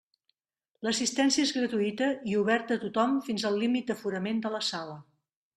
L'assistència és gratuïta i oberta a tothom fins al límit d'aforament de la sala.